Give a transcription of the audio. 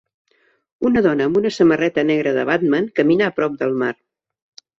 Una dona amb una samarreta negra de Batman camina a prop del mar.